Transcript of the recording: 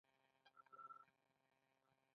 لیکوالانو د ډیزاین میتودونو یو لیست جوړ کړی.